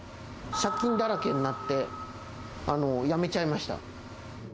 借金だらけになって、やめちゃいました。